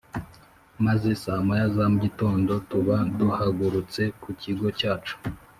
maze saa moya za mu gitondo tuba duhagurutse ku kigo cyacu